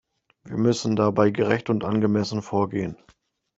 Wir müssen dabei gerecht und angemessen vorgehen.